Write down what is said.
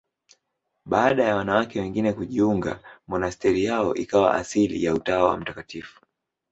Baada ya wanawake wengine kujiunga, monasteri yao ikawa asili ya Utawa wa Mt.